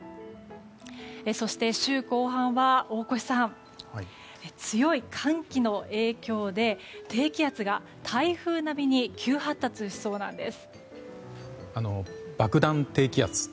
そして週後半は大越さん強い寒気の影響で低気圧が台風並みに急発達しそうなんです。